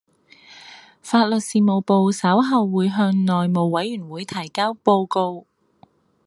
法律事務部稍後會向內務委員會提交報告